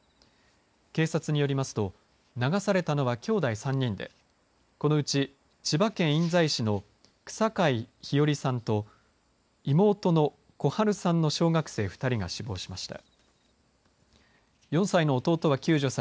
警察によりますと流されたのは、きょうだい３人でこのうち千葉県印西市の草皆ひよりさんと妹のこはるさんの小学生２人が死亡しました。